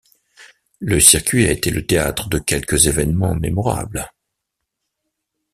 Le circuit a été le théâtre de quelques événements mémorables.